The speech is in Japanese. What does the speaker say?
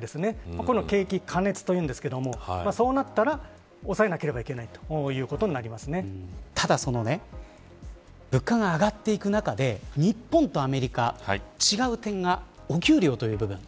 こういうのを景気過熱というんですがそうなったら抑えなければいけないただ、物価が上がっていく中で日本とアメリカ、違う点がお給料という部分。